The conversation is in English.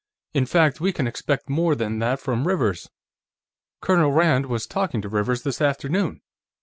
"In fact, we can expect more than that from Rivers. Colonel Rand was talking to Rivers, this afternoon.